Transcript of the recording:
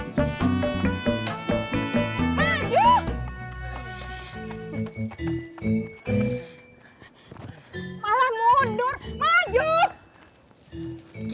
ke rumah baru nek